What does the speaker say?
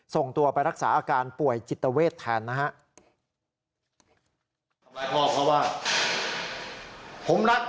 ส่งตัวไปรักษาอาการป่วยจิตเวทแทนนะครับ